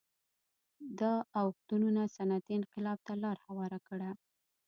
دا اوښتونونه صنعتي انقلاب ته لار هواره کړه